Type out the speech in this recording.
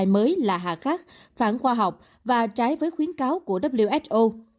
mới là hạ khắc phản khoa học và trái với khuyến cáo của who